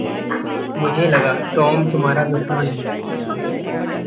मुझे लगा टॉम तुम्हारा दुश्मन है।